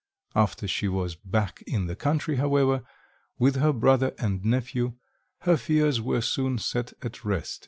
After she was back in the country, however, with her brother and nephew, her fears were soon set at rest.